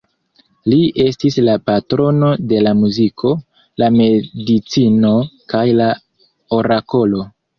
Li estis la patrono de la muziko, la medicino, kaj la orakolo.